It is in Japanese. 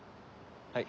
はい。